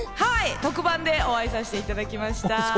特番でお会いさせていただきました。